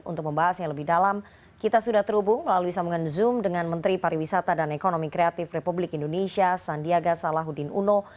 untuk membahasnya lebih dalam kita sudah terhubung melalui sambungan zoom dengan menteri pariwisata dan ekonomi kreatif republik indonesia sandiaga salahuddin uno